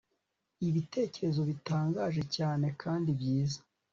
ibitekerezo bitangaje cyane kandi byiza